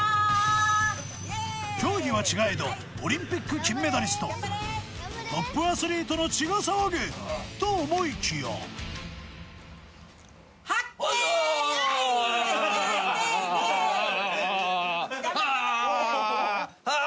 競技は違えどオリンピック金メダリストトップアスリートの血が騒ぐと思いきやよいしょいけいけああはあ